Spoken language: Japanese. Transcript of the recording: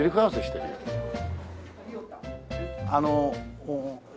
あの。